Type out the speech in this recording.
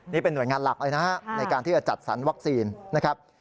นี่เป็นหน่วยงานหลักเลยนะฮะในการที่จะจัดสรรวัคซีนนะครับ